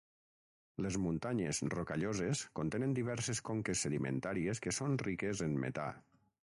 Les Muntanyes Rocalloses contenen diverses conques sedimentàries que són riques en metà.